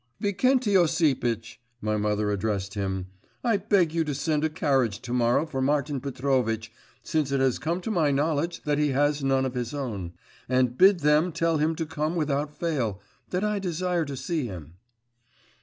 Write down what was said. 'Vikenty Osipitch,' my mother addressed him, 'I beg you to send a carriage to morrow for Martin Petrovitch, since it has come to my knowledge that he has none of his own. And bid them tell him to come without fail, that I desire to see him.